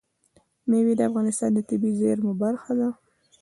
مېوې د افغانستان د طبیعي زیرمو برخه ده.